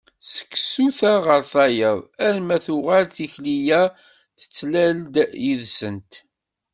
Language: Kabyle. Seg tsuta ɣer tayeḍ armi tuɣal tikli-a tettlal-d yid-sent.